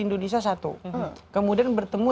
indonesia satu kemudian bertemu